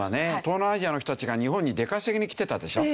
東南アジアの人たちが日本に出稼ぎに来てたでしょ？